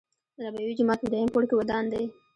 دنبوی جومات په دویم پوړ کې ودان دی.